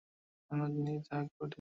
সারাদিন পার্টি আর মদ নিয়েই থাকে।